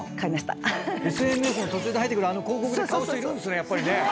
ＳＮＳの途中で入ってくるあの広告で買う人いるんすね。